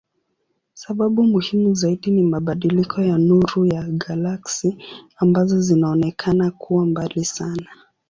Sababu muhimu zaidi ni mabadiliko ya nuru ya galaksi ambazo zinaonekana kuwa mbali sana.